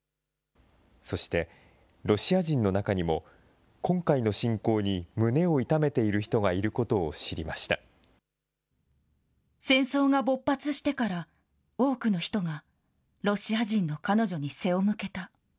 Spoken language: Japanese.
そして、ロシア人の中にも今回の侵攻に胸を痛めている人がいることを知り戦争が勃発してから多くの人がロシア人の彼女に背を向けた。